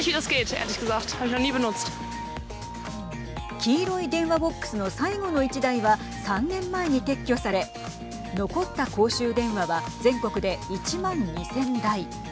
黄色い電話ボックスの最後の１台は３年前に撤去され残った公衆電話は全国で１万２０００台。